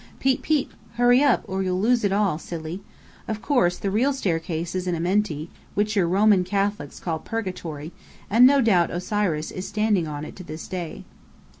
Peep, peep! Hurry up, or you'll lose it all, you Silly. Of course, the real staircase is in Amenti, which your Roman Catholics call Purgatory; and no doubt Osiris is standing on it to this day."